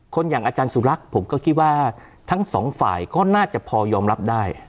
อย่างอาจารย์สุรักษ์ผมก็คิดว่าทั้งสองฝ่ายก็น่าจะพอยอมรับได้